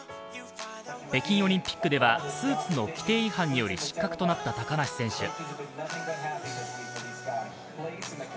北京オリンピックではスーツの規定違反により失格となった高梨選手。